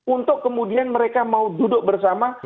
untuk kemudian mereka mau duduk bersama